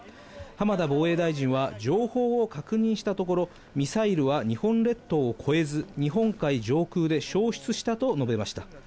浜田防衛大臣は、情報を確認したところ、ミサイルは日本列島を越えず、日本海上空で消失したと述べました。